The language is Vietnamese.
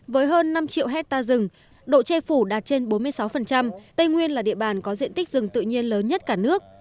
với hơn năm triệu hectare rừng độ che phủ đạt trên bốn mươi sáu tây nguyên là địa bàn có diện tích rừng tự nhiên lớn nhất cả nước